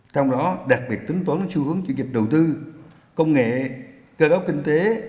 trong đó đặc biệt tính toán xu hướng chuyên dịch đầu tư công nghệ cơ góp kinh tế